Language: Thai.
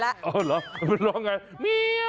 มันร้องไง